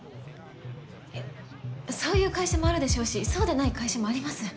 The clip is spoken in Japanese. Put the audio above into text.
いやそういう会社もあるでしょうしそうでない会社もあります。